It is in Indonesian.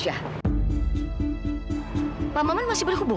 ya pak aku mau perme hartorn